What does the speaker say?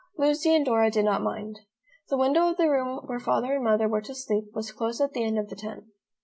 Lucy and Dora did not mind. The window of the room where Father and Mother were to sleep was close at the end of the tent.